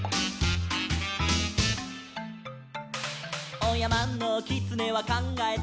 「おやまのきつねはかんがえた」